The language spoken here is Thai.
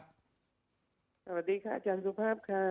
สวัสดีครับโชชนสุภาพค่ะ